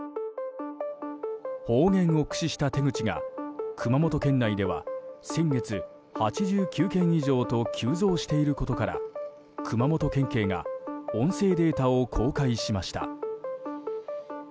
方言を駆使した手口が熊本県内では先月、８９件以上と急増していることから熊本県警が音声データを公開しました。